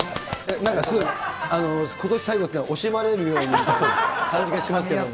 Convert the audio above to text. なんかすごい、ことし最後っていうのは、惜しまれるな感じがしますけれども。